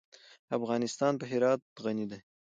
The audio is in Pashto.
افغانستان په هرات غني دی.